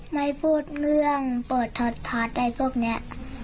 ไม่พูดเรื่องเปิดทัศน์ได้พวกเนี้ย